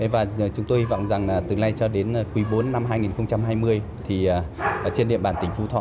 và chúng tôi hy vọng rằng từ nay cho đến quý bốn năm hai nghìn hai mươi trên địa bàn tỉnh phú thọ